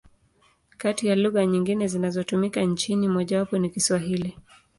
Kati ya lugha nyingine zinazotumika nchini, mojawapo ni Kiswahili.